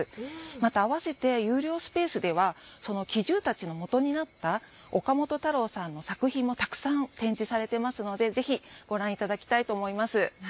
また合わせて有料スペースではその奇獣たちのもとになった岡本太郎さんの作品もたくさん展示されていますのでぜひご覧いただきたいと思います。